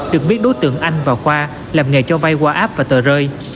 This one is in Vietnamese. được biết đối tượng anh và khoa làm nghề cho vay qua app và tờ rơi